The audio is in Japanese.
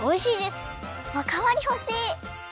おかわりほしい！